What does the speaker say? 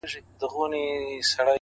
o نن شپه د ټول كور چوكيداره يمه؛